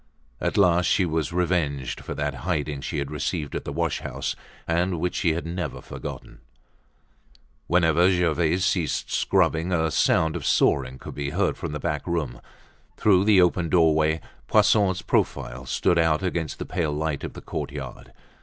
At last she was revenged for that hiding she had received at the wash house, and which she had never forgotten. Whenever Gervaise ceased scrubbing, a sound of sawing could be heard from the back room. Through the open doorway, Poisson's profile stood out against the pale light of the courtyard.